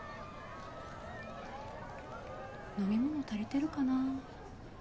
飲み物足りてるかな？